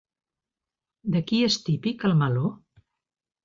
De qui és típic el meló?